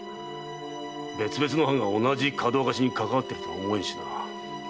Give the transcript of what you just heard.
別々の藩が同じかどわかしにかかわっているとは思えない。